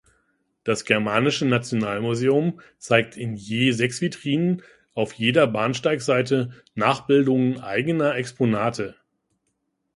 Das Germanische Nationalmuseum zeigt in je sechs Vitrinen auf jeder Bahnsteigseite Nachbildungen eigener Exponate.